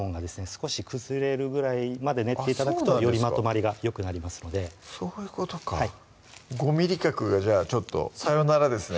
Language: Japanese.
少し崩れるぐらいまで練って頂くとよりまとまりがよくなりますのでそういうことか５ｍｍ角がじゃあちょっとさよならですね